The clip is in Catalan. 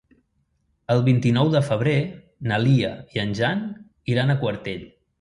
El vint-i-nou de febrer na Lia i en Jan iran a Quartell.